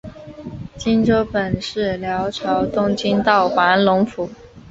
济州本是辽朝东京道黄龙府。